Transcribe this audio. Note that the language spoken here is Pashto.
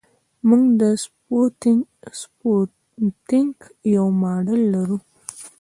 موږ د سپوتنیک یو ماډل لرو